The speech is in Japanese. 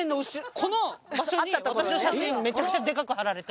この場所に私の写真めちゃくちゃでかく張られて。